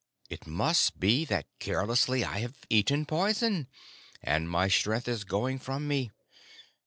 "It must be that carelessly I have eaten poison, and my strength is going from me.